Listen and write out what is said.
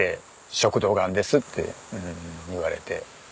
「食道がんです」って言われて。